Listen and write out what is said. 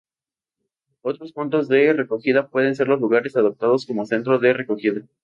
Otros puntos de recogida pueden ser los lugares adaptados como centro de recogida.